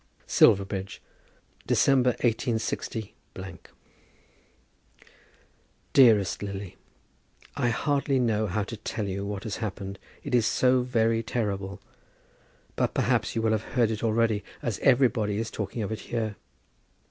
Silverbridge, December, 186 . DEAREST LILY, I hardly know how to tell you what has happened, it is so very terrible. But perhaps you will have heard it already, as everybody is talking of it here.